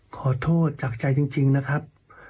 ขอโทษจากใจจริงนะครับ